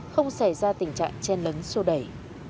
không xảy ra tình trạng chen lấn sô đẩy